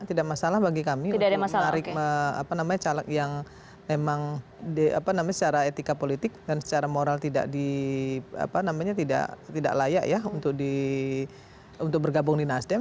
tidak masalah bagi kami untuk menarik caleg yang memang secara etika politik dan secara moral tidak layak ya untuk bergabung di nasdem